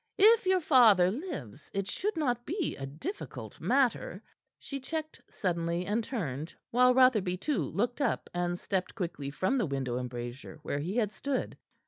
"If your father lives, it should not be a difficult matter " She checked suddenly and turned, while Rotherby, too, looked up and stepped quickly from the window embrasure where he had stood.